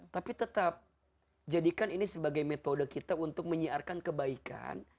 tapi tetap jadikan ini sebagai metode kita untuk menyiarkan kebaikan